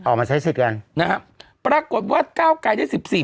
ออกมาใช้สิบกันนะครับปรากฏว่าก้าวไกลได้สิบสี่